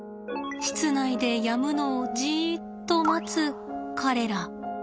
室内でやむのをじっと待つ彼ら。